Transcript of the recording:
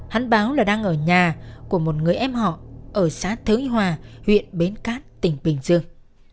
hắn báo là đang ở nhà của một người em họ ở xã thới hòa huyện bến cát tỉnh bình dương